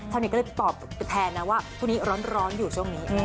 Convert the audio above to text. เค้ามเน็ตก็ตอบหนักแพ้ว่าทุกวันร้อนร้อนอยู่ช่วงนี้